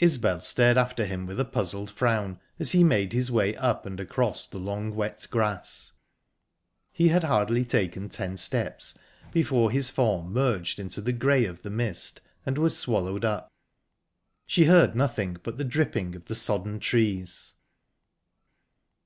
Isbel stared after him with a puzzled frown, as he made his way up and across the long, wet grass. He had hardly taken ten steps before his form merged into the grey of the mist and was swallowed up. She heard nothing but the dripping of the sodden trees.